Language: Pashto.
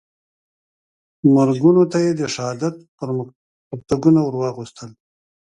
مرګونو ته یې د شهادت پرتګونه وراغوستل.